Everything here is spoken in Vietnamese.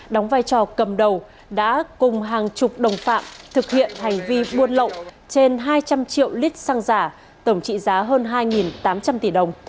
đóng vai trò cầm đầu đã cùng hàng chục đồng phạm thực hiện hành vi buôn lậu trên hai trăm linh triệu lít xăng giả tổng trị giá hơn hai tám trăm linh tỷ đồng